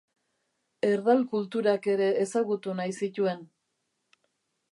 Erdal kulturak ere ezagutu nahi zituen.